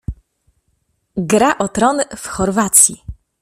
Gra o Tron w Chorwacji.